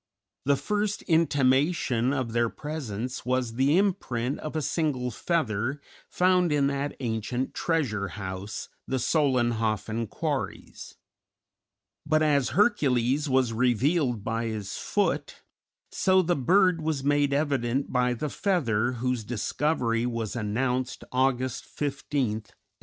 The first intimation of their presence was the imprint of a single feather found in that ancient treasure house, the Solenhofen quarries; but as Hercules was revealed by his foot, so the bird was made evident by the feather whose discovery was announced August 15, 1861.